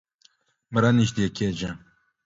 مه رانږدې کیږه